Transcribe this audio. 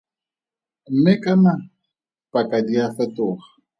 Mme kana paka di a fetoga.